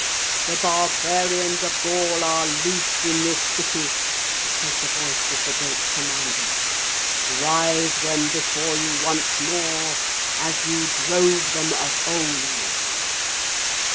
'The Barbarians of Gaul are loose in this city,' said the voice of the great commander; 'drive them before you once more as you drove them of old.'